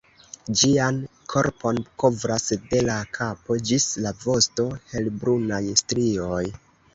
Ĝian korpon kovras de la kapo ĝis la vosto helbrunaj strioj.